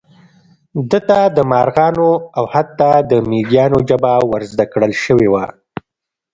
ده ته د مارغانو او حتی د مېږیانو ژبه ور زده کړل شوې وه.